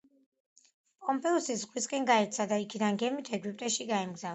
პომპეუსი ზღვისკენ გაიქცა და იქიდან გემით ეგვიპტეში გაემგზავრა.